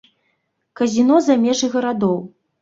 Казіно за межы гарадоў.